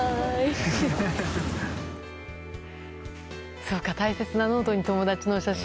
そうか、大切なノートに友達の写真。